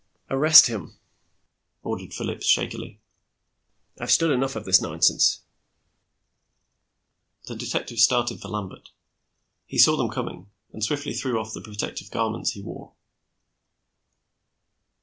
"Arrest him," ordered Phillips shakily. "I've stood enough of this nonsense." The detectives started for Lambert. He saw them coming, and swiftly threw off the protective garments he wore.